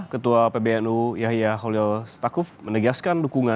ketua pbnu yahya hallil startuf menegaskan